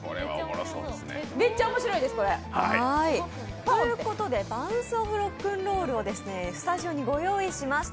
めっちゃ面白いです、これ。ということで「バウンス・オフ！ロックン・ロール」をスタジオにご用意しました。